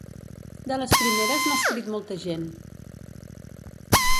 De les primeres n'ha escrit molta gent.